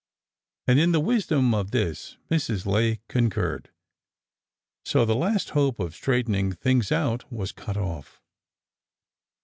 And in the wisdom of this Mrs. Lay concurred,— so the last hope of straight ening things out was cut off.